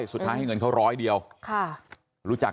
น้าสาวของน้าผู้ต้องหาเป็นยังไงไปดูนะครับ